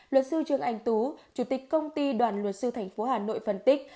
luật sư trương anh tú chủ tịch công ty đoàn luật sư tp hcm phân tích